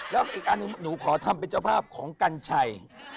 แล้วอีกอันหนึ่งหนูขอทำเป็นเจ้าภาพของกัญชัย